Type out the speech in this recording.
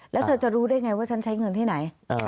แล้วเธอจะรู้ได้ไงว่าฉันใช้เงินที่ไหน